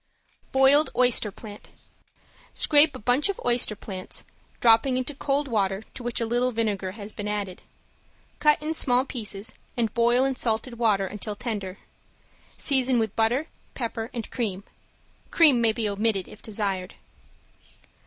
~BOILED OYSTER PLANT~ Scrape a bunch of oyster plants, dropping into cold water to which a little vinegar has been added. Cut in small pieces and boil in salted water until tender. Season with butter, pepper and cream. Cream may be omitted if desired.